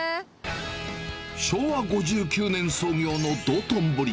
昭和５９年創業の道頓堀。